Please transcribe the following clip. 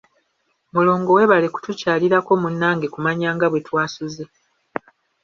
Mulongo weebale kutukyalirako munnange kumanya nga bwe twasuze.